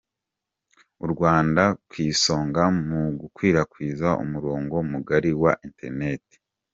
U Rwanda ku isonga mu gukwirakwiza umurongo mugari wa Iterineti